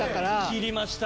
切りました。